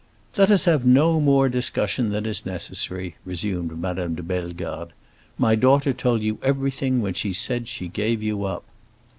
"Let us have no more discussion than is necessary," resumed Madame de Bellegarde. "My daughter told you everything when she said she gave you up."